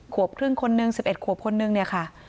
ขวบครึ่งคนหนึ่ง๑๑ขวบคนนึงเนี่ยค่ะ